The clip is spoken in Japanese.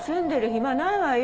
暇ないわよ。